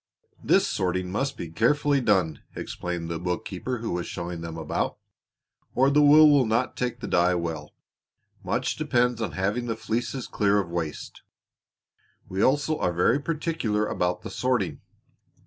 "This sorting must be carefully done," explained the bookkeeper who was showing them about, "or the wool will not take the dye well. Much depends on having the fleeces clear of waste. We also are very particular about the sorting.